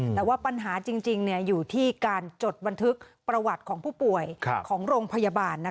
แต่ว่าปัญหาจริงอยู่ที่การจดบันทึกประวัติของผู้ป่วยของโรงพยาบาล